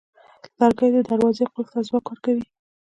لرګی د دروازې قلف ته ځواک ورکوي.